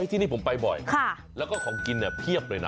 ที่นี่ผมไปบ่อยแล้วก็ของกินเพียบเลยนะ